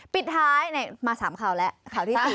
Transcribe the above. ปิดท้ายมา๓ข่าวแล้วข่าวที่๓